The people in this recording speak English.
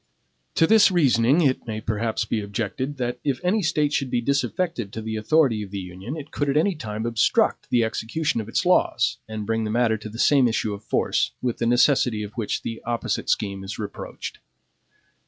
To this reasoning it may perhaps be objected, that if any State should be disaffected to the authority of the Union, it could at any time obstruct the execution of its laws, and bring the matter to the same issue of force, with the necessity of which the opposite scheme is reproached.